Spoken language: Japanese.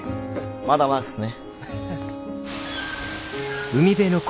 まだまだっすね。